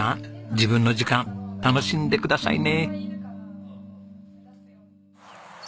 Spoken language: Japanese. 自分の時間楽しんでくださいね。